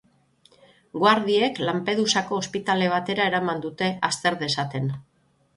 Guardiek Lampedusako ospitale batera eraman dute, azter dezaten.